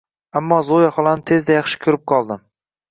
Ammo Zoya xolani tezda yaxshi ko’rib qoldim